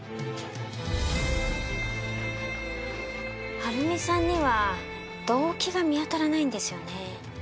晴美さんには動機が見当たらないんですよね。